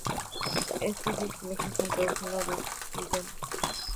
Estudió en el Colegio Santa Úrsula de Sullana.